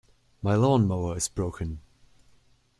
My lawn-mower is broken.